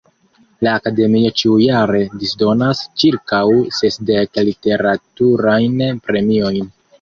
La Akademio ĉiujare disdonas ĉirkaŭ sesdek literaturajn premiojn.